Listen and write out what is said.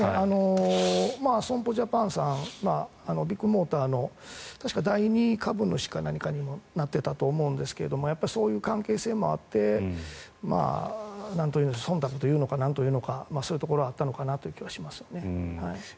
損保ジャパンさんビッグモーターの確か第２株主か何かにもなっていたと思うんですけどそういう関係性もあってそんたくというのかそういうところがあったのかなという気はしますよね。